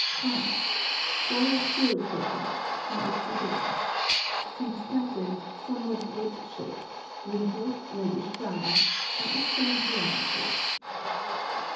5. Guayaquil Cocoa.—From Ecuador. Seeds flattened, somewhat wedge shaped, wrinkled, reddish brown. An excellent variety.